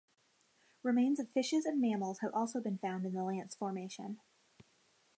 Remains of fishes and mammals have also been found in the Lance Formation.